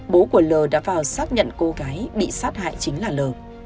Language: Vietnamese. bố của l đã vào xác nhận cô gái bị sát hại chính là lờ